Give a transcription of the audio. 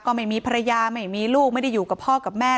ก็ไม่มีภรรยาไม่มีลูกไม่ได้อยู่กับพ่อกับแม่